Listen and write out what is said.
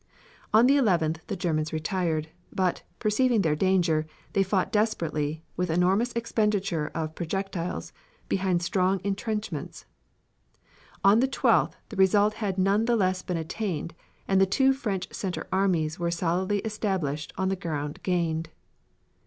On the 11th the Germans retired. But, perceiving their danger, they fought desperately, with enormous expenditure of projectiles, behind strong intrenchments. On the 12th the result had none the less been attained, and the two French center armies were solidly established on the ground gained.